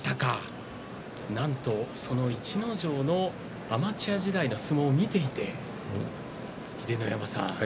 なんと逸ノ城のアマチュア時代の相撲を見ていた秀ノ山さん